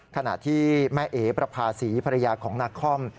ขณะที่แม่เอ๋ประภาษีภรรยาของนาคอม